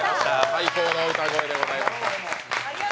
最高の歌声でございました。